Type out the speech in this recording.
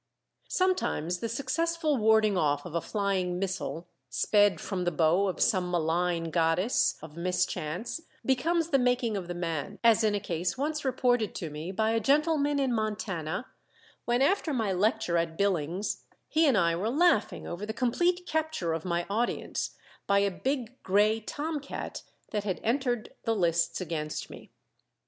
Sometimes the successful warding off of a flying missile sped from the bow of some malign goddess of mischance becomes the making of the man, as in a case once reported to me by a gentleman in Montana when after my lecture at Billings he and I were laughing over the complete capture of my audience by a big gray tomcat that had entered the lists against me.